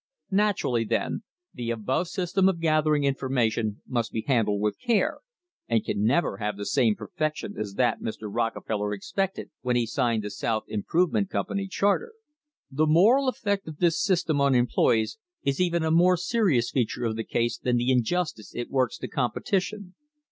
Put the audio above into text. Naturally, then, the above system of gathering infor mation must be handled with care, and can never have the same perfection as that Mr. Rockefeller expected when he signed the South Improvement Company charter. The moral effect of this system on employees is even a more serious feature of the case than the injustice it works to competition.